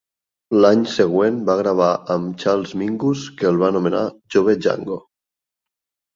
L'any següent va gravar amb Charles Mingus, que el va anomenar "Jove Django".